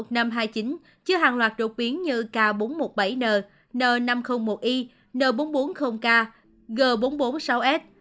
năm hai mươi chín chứa hàng loạt đột biến như k bốn trăm một mươi bảy n n năm trăm linh một i n bốn trăm bốn mươi k g bốn trăm bốn mươi sáu s